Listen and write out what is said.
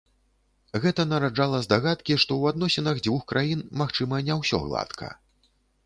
Гэта нараджала здагадкі, што ў адносінах дзвюх краін, магчыма, не ўсё гладка.